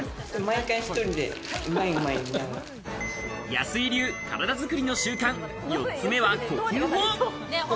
安井流、体作りの習慣、４つ目は呼吸法。